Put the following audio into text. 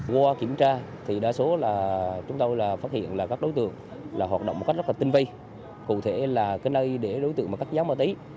qua kiểm tra thì đa số là chúng tôi là phát hiện là các đối tượng là hoạt động một cách rất là tinh vi cụ thể là cái nơi để đối tượng cắt giá ma túy